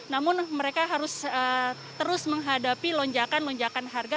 namun mereka harus terus menghadapi lonjakan lonjakan harga